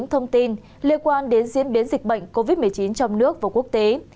thông tin các ca nhiễm mới